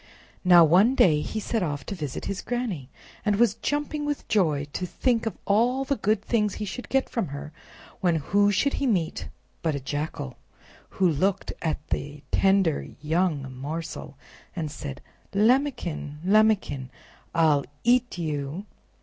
Now one day he set off to visit his Granny, and was jumping with joy to think of all the good things he should get from her, when who should he meet but a Jackal, who looked at the tender young morsel and said: "Lambikin! Lambikin! I'll EAT YOU!"